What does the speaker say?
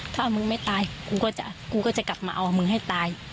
ถ้ามึงไม่ตายกูก็จะกลับมาเอามึงให้ตาย